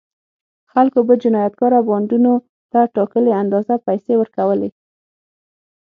خلکو به جنایتکاره بانډونو ته ټاکلې اندازه پیسې ورکولې.